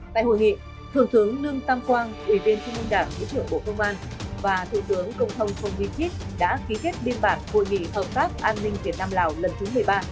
tại hội nghị thượng tướng lương tam quang ủy viên trung ương đảng thứ trưởng bộ công an và thủ tướng công thông vi chít đã ký kết biên bản hội nghị hợp tác an ninh việt nam lào lần thứ một mươi ba